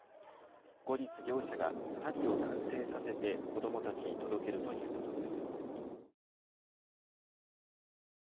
後日、業者が足袋を完成させて子どもたちに届けるということです。